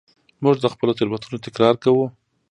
موږ د خپلو تېروتنو تکرار کوو.